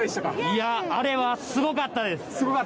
いや、あれはすごかったです。